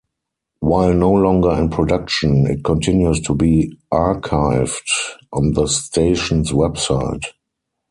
While no longer in production, it continues to be archived on the station's website.